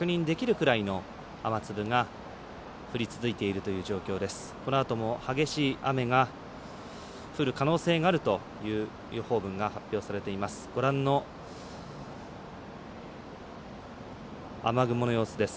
このあとも激しい雨が降る可能性があるという予報が発表されています。